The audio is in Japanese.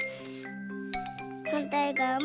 はんたいがわも。